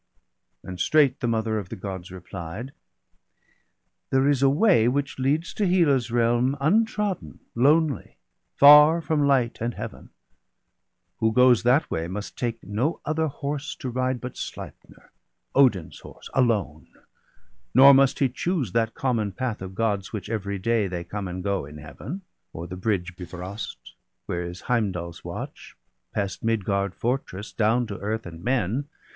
And straight the mother of the Gods replied :—^ There is a way which leads to Hela's realm, Untrodden, lonely, far from light and Heaven. Who goes that way must take no other horse 142 BALDER DEAD. To ride, but Sleipner, Odin's horse, alone. Nor must he choose that common path of Gods Which every day they come and go in Heaven, . O'er the bridge Bifrost, where is Heimdall's watch, Past Midgard fortress, down to earth and men.